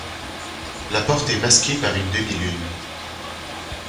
La porte est masquée par une demi-lune.